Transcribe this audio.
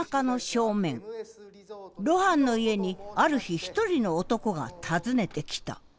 露伴の家にある日一人の男が訪ねてきた。